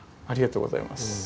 ありがとうございます。